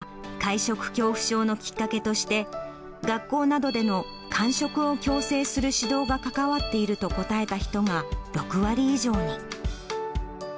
山口さんの調査では、会食恐怖症のきっかけとして、学校などでの完食を強制する指導が関わっていると答えた人が６割以上に。